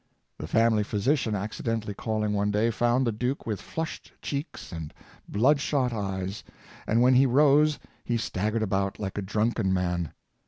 The family physician acci dentally calling one day, found the duke with flushed cheeks and blood shot eyes, and when he rose he stag gered about like a drunken man.